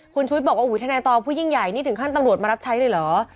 คุณชุวิตบอกว่าทนายตองผู้ยิ่งใหญ่นี่ถึงขั้นตำรวจมารับใช้เลยเหรอ